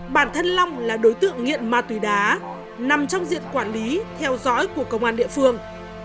bản thân long là đối tượng nghiện ma túy đá nằm trong diện quản lý theo dõi của công an địa phương